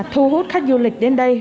thu hút khách du lịch đến đây